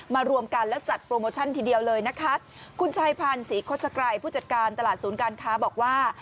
รวมกันแล้วจัดโปรโมชั่นทีเดียวเลยนะคะคุณชายพันธ์ศรีโฆษกรัยผู้จัดการตลาดศูนย์การค้าบอกว่า